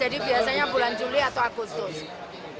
jadi biasanya bulan juli atau agustus